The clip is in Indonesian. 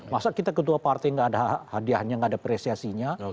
masa kita ketua partai nggak ada hadiahnya nggak ada apresiasinya